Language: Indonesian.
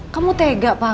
kamu tega pak